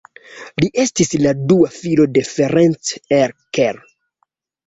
Li estis la dua filo de Ferenc Erkel.